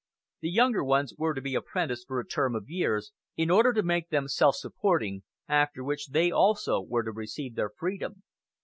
The younger ones were to be apprenticed for a term of years, in order to make them self supporting, after which they also were to receive their freedom.